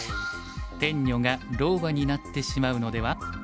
天女が老婆になってしまうのでは？